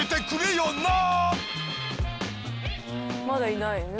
まだいない。